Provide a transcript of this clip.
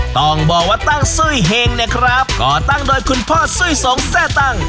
ต้องบอกว่าตั้งซุ้ยเห็งเนี่ยครับก็ตั้งโดยคุณพ่อซุ้ยสงแทร่ตั้ง